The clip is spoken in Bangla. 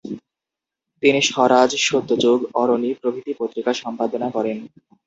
তিনি 'স্বরাজ', 'সত্যযুগ', 'অরণি' প্রভৃতি পত্রিকা সম্পাদনা করেন।